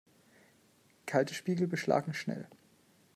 Kalte Spiegel beschlagen schnell.